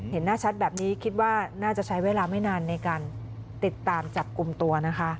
เห็นหน้าชัดแบบนี้คิดว่าน่าจะใช้เวลาไม่นานในการติดตามจับกลุ่มตัวนะคะ